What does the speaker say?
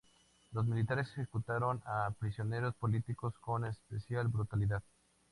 Los militares ejecutaron a prisioneros políticos con especial brutalidad.